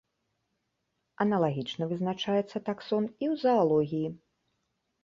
Аналагічна вызначаецца таксон і ў заалогіі.